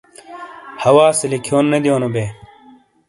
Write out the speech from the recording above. حؤاسے لکھیون نے دیونو بے ۔